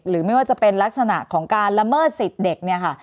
ไม่ว่าจะเป็นลักษณะของการละเมิดสิทธิ์เด็กเนี่ยค่ะ